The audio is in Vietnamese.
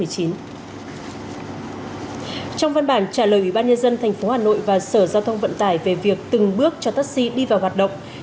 trong văn bản trả lời ủy ban nhân dân tp hà nội và sở giao thông vận tải về việc từng bước cho taxi đi vào hoạt động